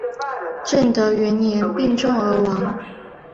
正德元年病重而亡。